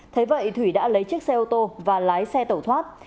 thế vậy thủy đã lấy chiếc xe ô tô và lái xe tẩu thoát